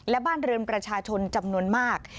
และบ้านเรือนประชาชนจำนวนมาก